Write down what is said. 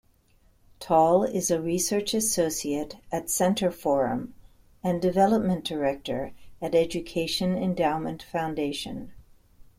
Tall is a research associate at CentreForum and development director at Education Endowment Foundation.